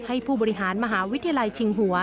ผู้บริหารมหาวิทยาลัยชิงหัว